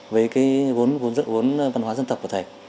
với cái vốn văn hóa dân tập của thầy